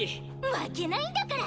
負けないんだから！